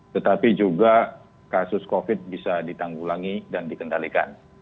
tetapi juga kasus covid bisa ditanggulangi dan dikendalikan